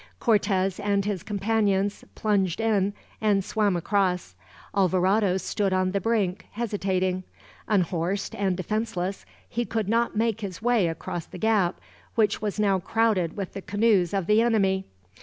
Cortez and his companions plunged in and swam across. Alvarado stood on the brink, hesitating. Unhorsed and defenseless, he could not make his way across the gap, which was now crowded with the canoes of the enemy.